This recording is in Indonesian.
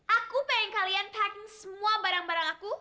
aku pengen kalian packing semua barang barang aku